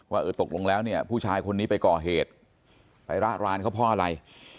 เออตกลงแล้วเนี่ยผู้ชายคนนี้ไปก่อเหตุไประรานเขาเพราะอะไร